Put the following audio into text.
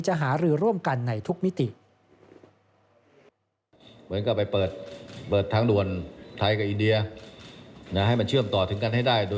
หารือร่วมกันในทุกมิติ